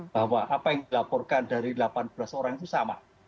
bahwa apa yang dilaporkan dari delapan belas orang itu sama